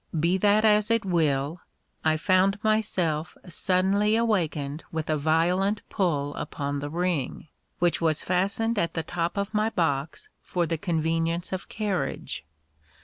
Be that as it will, I found myself suddenly awakened with a violent pull upon the ring, which was fastened at the top of my box for the convenience of carriage.